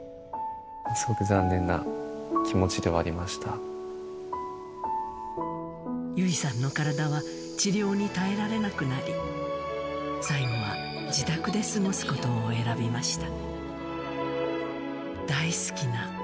すごく残念な気持ちではあり優生さんの体は、治療に耐えられなくなり、最後は自宅で過ごすことを選びました。